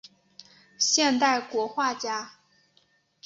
现代国画家。